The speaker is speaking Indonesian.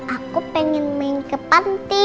aku pengen main ke panti